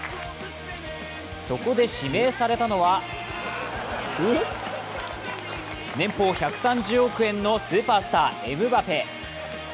そこで指名されたのは年俸１３０億円のスーパースター、エムバペ。